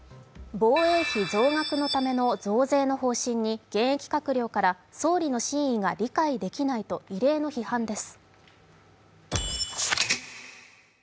防衛費増額のための増税の方針に現役閣僚から総理の真意が理解できないと異例の批判です。